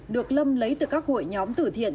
được lâm lấy từ các hội nhóm tử thiện